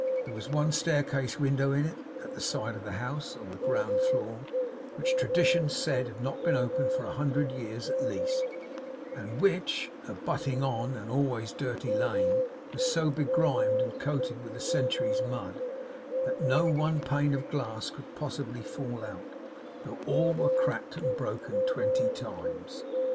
There was one staircase window in it, at the side of the house, on the ground floor; which tradition said had not been opened for a hundred years at least, and which, abutting on an always dirty lane, was so begrimed and coated with a century's mud, that no one pane of glass could possibly fall out, though all were cracked and broken twenty times.